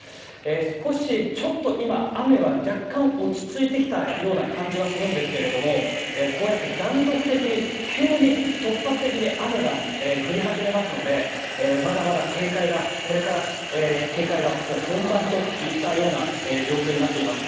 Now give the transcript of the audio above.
少し今、雨は若干落ち着いてきた感じはするんですけどこうやって断続的に急に突発的に雨が降り始めますので警戒がこれから本番といったような状況になっています。